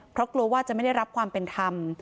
เพราะกลัวว่าจะไม่ได้รับความเป็นธรรม